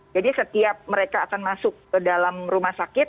setiap mereka akan masuk ke dalam rumah sakit